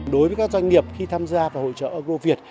đối với các doanh nghiệp khi tham gia vào hội trợ agro việt